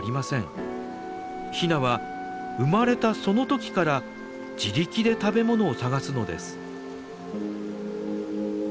ヒナは生まれたその時から自力で食べ物を探すのです。